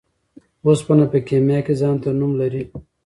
اوسپنه په کيميا کي ځانته نوم لري .